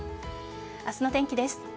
明日の天気です。